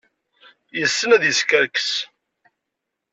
Yessen ad yeskerkes.